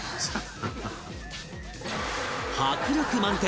迫力満点！